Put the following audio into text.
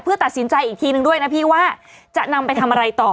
เพื่อตัดสินใจอีกทีนึงด้วยนะพี่ว่าจะนำไปทำอะไรต่อ